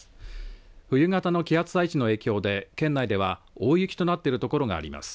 冬型の気圧配置の影響で県内では大雪となっている所があります。